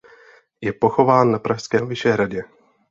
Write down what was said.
Je pochován na pražském Vyšehradě.